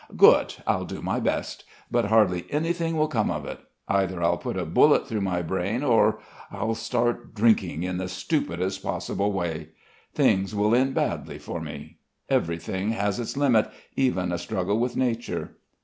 "Good I'll do my best. But hardly anything will come of it. Either I'll put a bullet through my brains or ... I'll start drinking in the stupidest possible way. Things will end badly for me. Everything has its limit, even a struggle with nature.